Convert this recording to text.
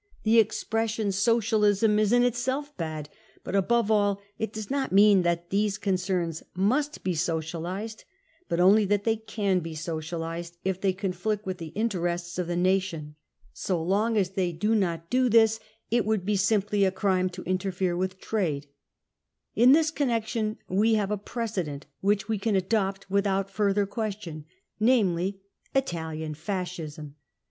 ..„ The expression socialism is in itself bad, but above ail it does not mean that these concerns be socialised, but only that they can be socialised, if they *'» conflict with the interests of the nation. So long as they Ti?E PATH TO POWER 37 do not do this, if would be simply a crime t$> interfere * with trade. ... In this connection we have a precedent, which we can adopt without further question, namely, Italian Fascism